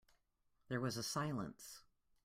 There was a silence.